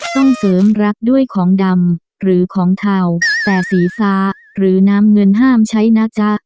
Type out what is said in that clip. ต้องเสริมรักด้วยของดำหรือของเทาแต่สีฟ้าหรือน้ำเงินห้ามใช้นะจ๊ะ